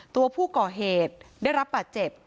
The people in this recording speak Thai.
ตัวผู้ก่อเหตุได้รับบาดเจ็บ